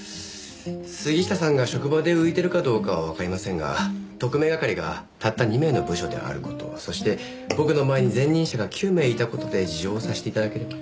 杉下さんが職場で浮いてるかどうかはわかりませんが特命係がたった２名の部署である事そして僕の前に前任者が９名いた事で事情を察して頂ければ。